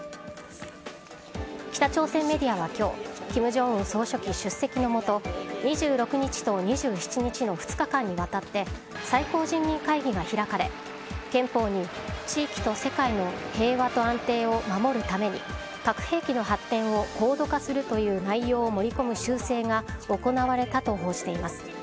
北朝鮮メディアは今日金正恩総書記出席のもと２６日と２７日の２日間にわたって最高人民会議が開かれ、憲法に地域と世界の平和と安定を守るために、核兵器の発展を高度化するという内容を盛り込む修正が行われたと報じています。